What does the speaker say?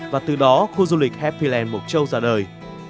và từ đó khu du lịch happyland mộc châu ra đời